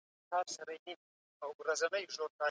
مخکي له دې چي خبره وکړې، ورباندې فکر وکړه.